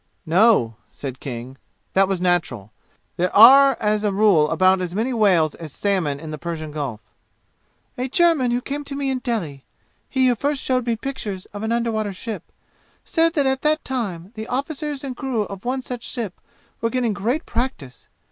"No," said King. That was natural. There are as a rule about as many whales as salmon in the Persian Gulf. "A German who came to me in Delhi he who first showed me pictures of an underwater ship said that at that time the officers and crew of one such ship were getting great practise.